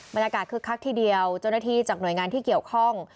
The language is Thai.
คึกคักทีเดียวเจ้าหน้าที่จากหน่วยงานที่เกี่ยวข้อง